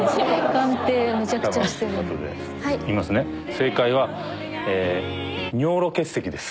正解は尿路結石です。